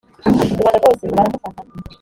rubanda rwose baramufata